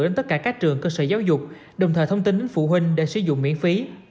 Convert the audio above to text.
đến tất cả các trường cơ sở giáo dục đồng thời thông tin đến phụ huynh để sử dụng miễn phí